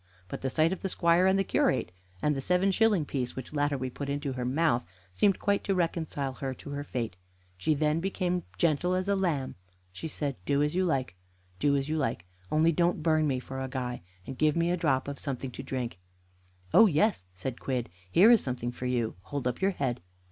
But the sight of the squire and the curate, and the seven shilling piece, which latter we put into her mouth, seemed quite to reconcile her to her fate. She became then as gentle as a lamb. She said: "Do as you like do as you like, only don't burn me for a guy; and give me a drop of something to drink." "Oh yes," said Quidd, "here is something for you. Hold up your head."